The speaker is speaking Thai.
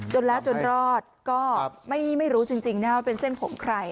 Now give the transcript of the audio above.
จนแล้วจนรอดก็ไม่รู้จริงนะว่าเป็นเส้นผมใคร